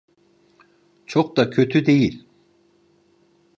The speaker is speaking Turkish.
Çok da kötü değil.